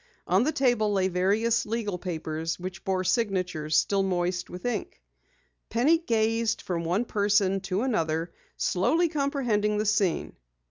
On the table lay various legal papers which bore signatures still moist with ink. Penny gazed from one person to another, slowly comprehending the scene.